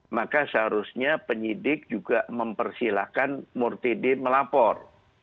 maka seharusnya penyidik juga mempersilahkan murtede melapor